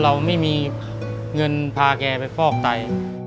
เราไม่มีเงินพาแกไปฟอกไต